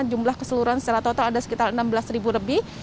jumlah keseluruhan secara total ada sekitar enam belas ribu lebih